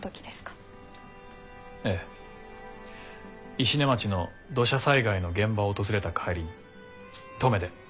ええ石音町の土砂災害の現場を訪れた帰りに登米で。